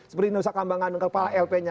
seperti nusa kambangan kepala lp nya